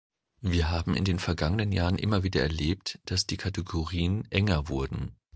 Wir haben in den vergangen Jahren immer wieder erlebt, dass die Kategorien enger wurden.